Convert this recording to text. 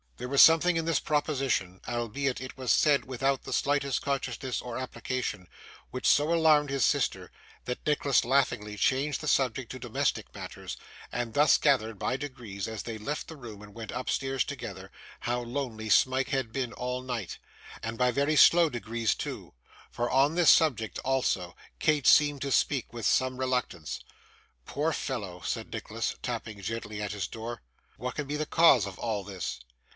There was something in this proposition, albeit it was said without the slightest consciousness or application, which so alarmed his sister, that Nicholas laughingly changed the subject to domestic matters, and thus gathered, by degrees, as they left the room and went upstairs together, how lonely Smike had been all night and by very slow degrees, too; for on this subject also, Kate seemed to speak with some reluctance. 'Poor fellow,' said Nicholas, tapping gently at his door, 'what can be the cause of all this?